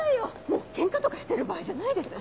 もうケンカとかしてる場合じゃないです。